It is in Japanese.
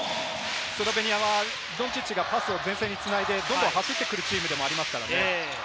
スロベニアはドンチッチがパスを前線につないでどんどん張ってくるチームです。